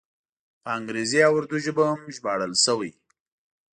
په انګریزي او اردو ژبو هم ژباړل شوی.